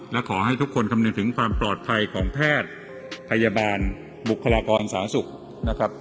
และขอให้ทุกคนคำนึงถึงความปลอดภัยของแพทย์พยาบาลบุคลากรสาธารณสุขนะครับ